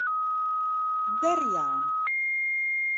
Werjaan.